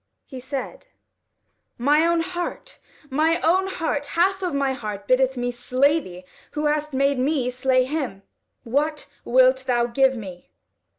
He said: "My own heart! my own heart! Half of my heart biddeth me slay thee, who hast made me slay him. What wilt thou give me?"